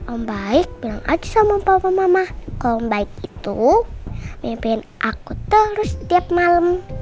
om baik bilang aja sama papa mama kalo om baik itu mimpiin aku terus tiap malem